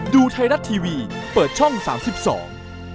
ดูไทยรัฐทีวีเปิดช่องสามสิบสอง